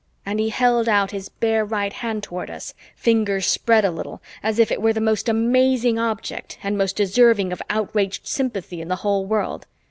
And he held out his bare right hand toward us, fingers spread a little, as if it were the most amazing object and most deserving of outraged sympathy in the whole world.